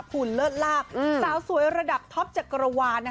คุณเลิศลาบสาวสวยระดับท็อปจักรวาล